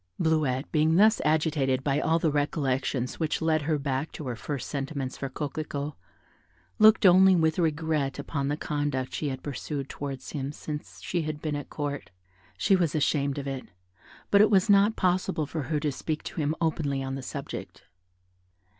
Bleuette being thus agitated by all the recollections which led her back to her first sentiments for Coquelicot, looked only with regret upon the conduct she had pursued towards him since she had been at Court. She was ashamed of it, but it was not possible for her to speak to him openly on the subject.